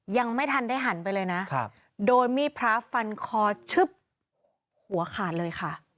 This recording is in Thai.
ยังไม่ทันได้หันไปเลยนะโดนมีดพระฟันคอชึบหัวขาดเลยค่ะ